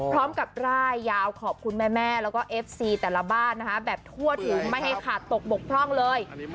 ร่ายยาวขอบคุณแม่แล้วก็เอฟซีแต่ละบ้านนะคะแบบทั่วถึงไม่ให้ขาดตกบกพร่องเลย